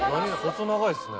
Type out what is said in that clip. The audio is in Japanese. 細長いですね。